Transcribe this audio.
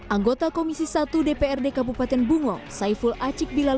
anggota komisi satu dprd kabupaten bungo saiful acik bilal